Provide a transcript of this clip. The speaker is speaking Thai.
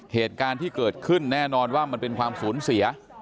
เหตุการณ์ที่เกิดขึ้นแน่นอนว่ามันเป็นความสูญเสีย